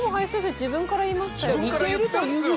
自分から言いましたよね。